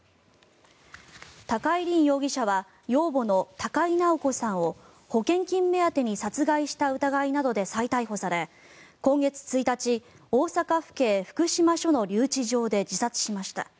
高井凜容疑者は養母の高井直子さんを保険金目当てに殺害した疑いなどで再逮捕され今月１日、大阪府警福島署の留置場で自殺しました。